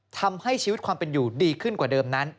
ทำให้ชีวิตความเป็นอยู่ดีขึ้นกว่าเดิมนั้น